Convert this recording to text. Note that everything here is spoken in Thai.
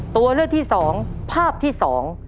ตัวเลือกที่สองภาพที่สอง